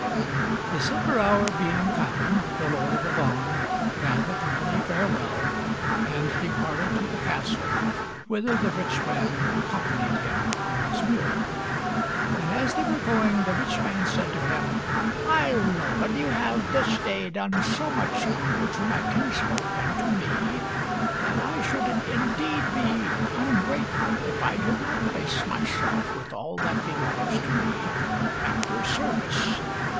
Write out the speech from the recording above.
The supper hour being come, the Lord of Avannes bade the company farewell, and departed to the castle, (3) whither the rich man accompanied him on his mule. And as they were going, the rich man said to him "My lord, you have this day done so much honour to my kinsfolk and to me, that I should indeed be ungrateful if I did not place myself with all that belongs to me at your service.